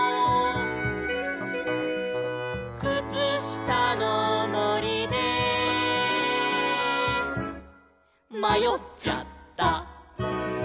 「くつしたのもりでまよっちゃった」